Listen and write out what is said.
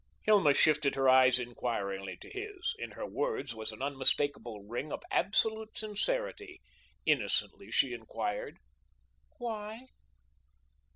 Hilma lifted her eyes inquiringly to his. In her words was an unmistakable ring of absolute sincerity. Innocently she inquired: "Why?"